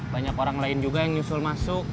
banyak orang lain juga yang nyusul masuk